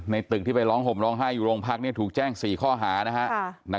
ในตึกที่ไปร้องห่มร้องไห้อยู่โรงพักษณ์นี้ถูกแจ้ง๔ข้อหานะฮะ